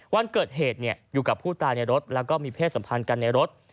วันเกิดเหตุอยู่กับผู้ตายในรถแล้วก็มีเพศสัมพันธ์กันในรถ